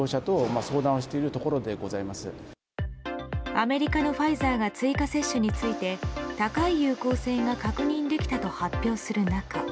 アメリカのファイザーが追加接種について高い有効性が確認できたと発表する中。